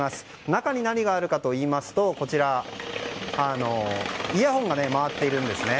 中に何があるかといいますとイヤホンが回っているんですね。